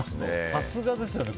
さすがですよね。